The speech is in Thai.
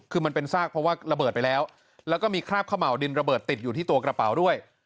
คือมันเป็นซากเพราะว่าระเบิดไปแล้วแล้วก็มีคราบขม่าวดินระเบิดติดอยู่ที่ตัวกระเป๋าด้วย